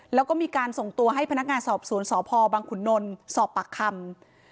แล้วก็มีการส่งตัวให้พนักงานสอบสวนสพบังขุนนลสอบปากคำ